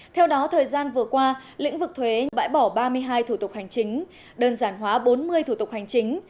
theo đó thời gian vừa qua lĩnh vực thuế bãi bỏ ba mươi hai thủ tục hành chính đơn giản hóa bốn mươi thủ tục hành chính